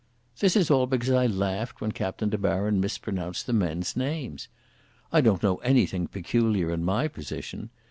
"This is all because I laughed when Captain De Baron mispronounced the men's names. I don't know anything peculiar in my position.